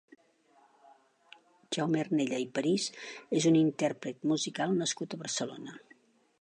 Jaume Arnella i París és un intérpret musical nascut a Barcelona.